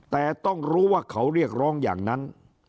แต่ต้องรู้ว่าเขาเรียกร้องอย่างนั้น